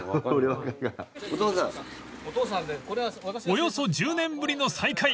［およそ１０年ぶりの再会］